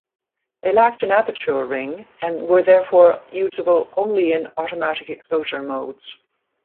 They lacked an aperture ring, and were therefore usable only in automatic-exposure modes.